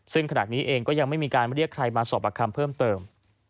ซึ่งขณะนี้เองก็ยังไม่มีการเรียกใครมาสอบประคำเพิ่มเติม